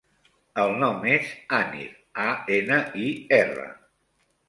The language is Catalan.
El nom és Anir: a, ena, i, erra.